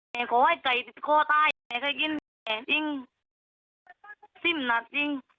แหมขอให้ไก่ติดข้อตายแหมใครกินแหมจริงซิ่มหนัดจริง